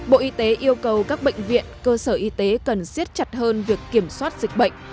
bộ y tế yêu cầu các bệnh viện cơ sở y tế cần siết chặt hơn việc kiểm soát dịch bệnh